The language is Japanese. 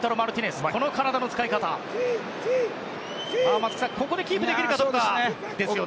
松木さん、ここでキープできるかどうかですね。